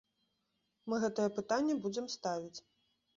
Мы гэтае пытанне будзем ставіць.